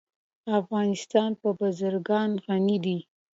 افغانستان په بزګان غني دی.